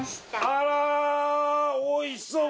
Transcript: あら美味しそう。